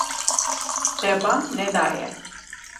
Te ba nedaye.